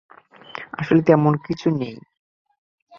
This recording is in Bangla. আসলে তেমন কিছু নেই।